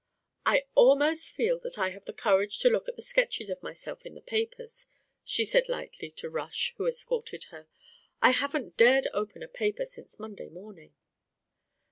"I almost feel that I have the courage to look at the sketches of myself in the papers," she said lightly to Rush, who escorted her. "I haven't dared open a paper since Monday morning."